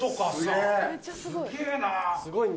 すげぇな！